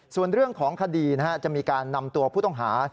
ส่วนเรื่องของคดีจะมีการนำตัวผู้ต้องหา